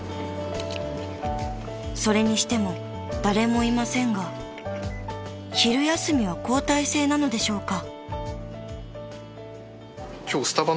［それにしても誰もいませんが昼休みは交代制なのでしょうか］